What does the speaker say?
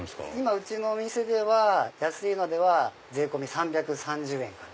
うちのお店では安いので税込み３３０円から。